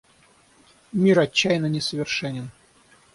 Мир отчаянно несовершенен.